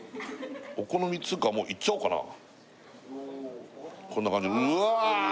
お好みっつうかもういっちゃおうかなこんな感じうわー